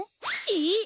えっ？